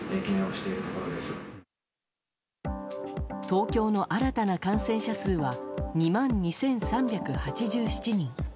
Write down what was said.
東京の新たな感染者数は２万２３８７人。